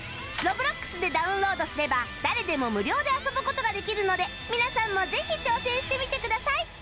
Ｒｏｂｌｏｘ でダウンロードすれば誰でも無料で遊ぶ事ができるので皆さんもぜひ挑戦してみてください